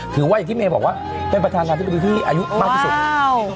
ถือว่าอย่างที่เมย์บอกว่าเป็นประธานาธิบดีที่อายุมากที่สุด